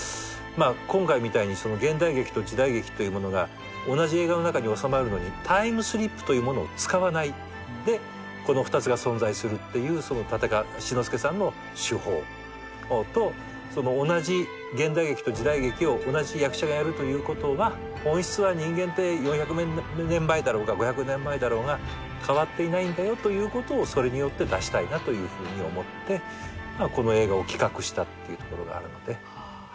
今回みたいに現代劇と時代劇というものが同じ映画の中におさまるのにタイムスリップというものを使わないでこの２つが存在するっていう立川志の輔さんの手法と同じ現代劇と時代劇を同じ役者がやるということは本質は人間って４００年前だろうが５００年前だろうが変わっていないんだよということをそれによって出したいなというふうに思ってこの映画を企画したっていうところがあるので。